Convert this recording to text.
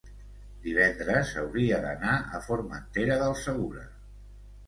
Divendres hauria d'anar a Formentera del Segura.